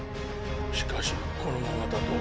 しかしこのままだと。